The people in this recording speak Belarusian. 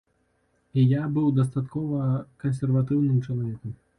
І я быў дастаткова кансерватыўным чалавекам.